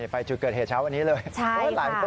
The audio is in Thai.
ไปจุดเกิดเหตุเช้าวันนี้เลย